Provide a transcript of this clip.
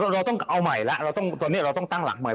เราต้องเอาใหม่แล้วตอนนี้เราต้องตั้งหลักใหม่